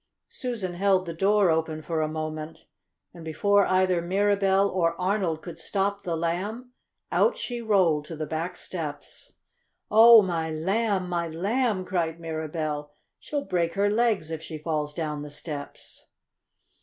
Susan held the door open for a moment, and before either Mirabell or Arnold could stop the Lamb, out she rolled to the back steps. "Oh, my Lamb! My Lamb!" cried Mirabell. "She'll break her legs if she falls down the steps!"